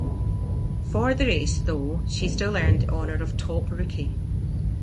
For the race, though, she still earned the honor of Top Rookie.